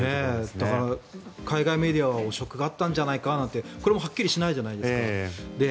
だから、海外メディアは汚職があったんじゃないかなんてこれもはっきりしないじゃないですか。